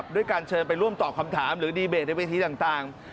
ด้วยการเชิญไปร่วมตอบคำถามหรือดีเบตในเวทีต่าง